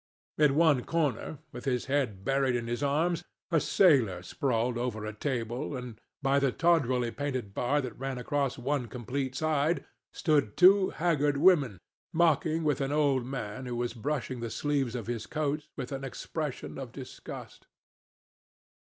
In one corner, with his head buried in his arms, a sailor sprawled over a table, and by the tawdrily painted bar that ran across one complete side stood two haggard women, mocking an old man who was brushing the sleeves of his coat with an expression of disgust.